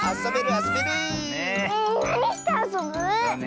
なにしてあそぶ？